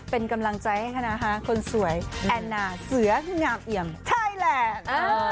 เป็นกำลังใจให้คณะคนสวยแอนนาเสืองามเอี่ยมไทยแลนด์